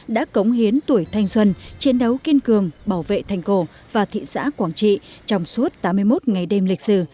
đã cống hiến tuổi thanh xuân chiến đấu kiên cường bảo vệ thành cổ và thị xã quảng trị trong suốt tám mươi một ngày đêm lịch sử